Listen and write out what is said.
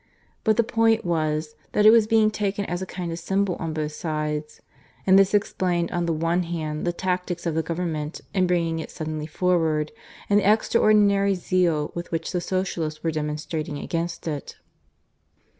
But the point was that it was being taken as a kind of symbol by both sides; and this explained on the one hand the tactics of the Government in bringing it suddenly forward, and the extraordinary zeal with which the Socialists were demonstrating against it.